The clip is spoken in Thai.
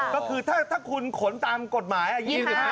ก็คือถ้าคุณขนตามกฎหมาย๒๕